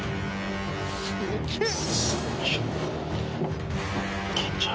すげえ！